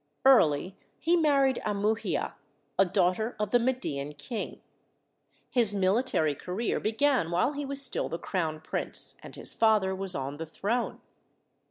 Early he married Amuhia, a daughter of the Median king. His military career began while he was still the crown prince, and his father was on the throne.